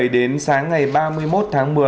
đến sáng ngày ba mươi một tháng một mươi